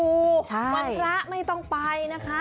วันพระไม่ต้องไปนะคะ